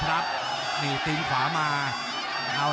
ภูตวรรณสิทธิ์บุญมีน้ำเงิน